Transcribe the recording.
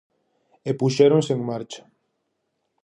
E puxéronse en marcha.